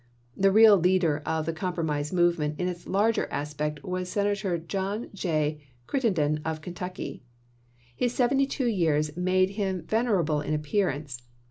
The real leader of the compromise movement in its larger aspects was Senator John J. Crittenden, of Kentucky. His seventy two years made him venerable in appear 224 ABRAHAM LINCOLN chap. xiv. ance.